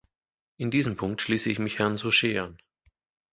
In diesem Punkt schließe ich mich Herrn Souchet an.